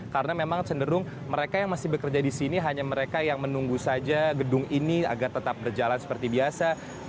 karena memang cenderung mereka yang masih bekerja di sini hanya mereka yang menunggu saja gedung ini agar tetap berjalan seperti biasa